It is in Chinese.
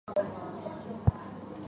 你不能这样做